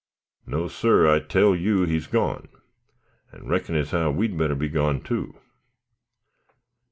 "No, sir; I tell you he's gone, and I reckon as how we'd better be gone too."